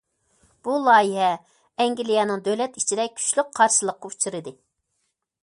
بۇ لايىھە ئەنگلىيەنىڭ دۆلەت ئىچىدە كۈچلۈك قارشىلىققا ئۇچرىدى.